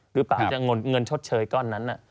หรือเปล่าที่จะเงินชดเชยก้อนนั้น